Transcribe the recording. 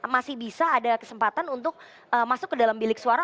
masih bisa ada kesempatan untuk masuk ke dalam bilik suara